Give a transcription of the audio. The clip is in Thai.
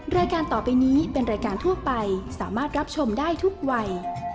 รายการต่อไปนี้เป็นรายการทั่วไปสามารถรับชมได้ทุกวัย